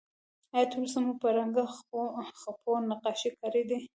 آیا تر اوسه مو په رنګه خپو نقاشي کړې ده؟